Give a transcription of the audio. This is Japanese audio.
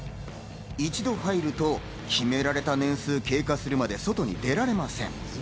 一度入ると決められた年数を経過するまで、外に出られません。